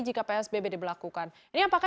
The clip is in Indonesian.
jika psbbd melakukan ini apakah